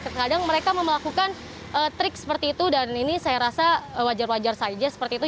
terkadang mereka melakukan trik seperti itu dan ini saya rasa wajar wajar saja seperti itu